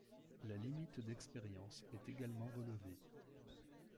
La limite d'expérience est également relevée.